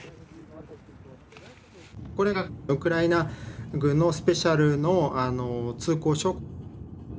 これがウクライナ軍のスペシャルの通行証。